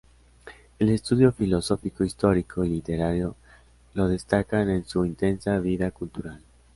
El estudio filosófico, histórico y literario lo destacan en su intensa vida cultural.